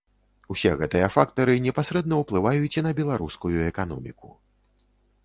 Усе гэтыя фактары непасрэдна ўплываюць і на беларускую эканоміку.